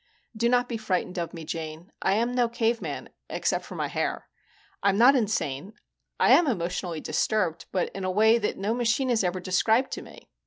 _ _Do not be frightened of me, Jane. I am no caveman except for my hair. I am not insane. I am emotionally disturbed, but in a way that no machine has ever described to me.